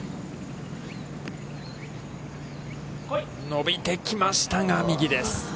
伸びてきましたが、右です。